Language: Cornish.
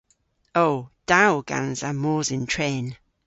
O. Da o gansa mos yn tren.